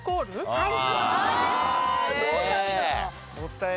はい。